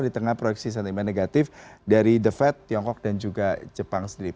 di tengah proyeksi sentimen negatif dari the fed tiongkok dan juga jepang sendiri